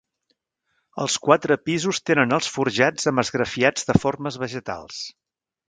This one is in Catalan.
Els quatre pisos tenen els forjats amb esgrafiats de formes vegetals.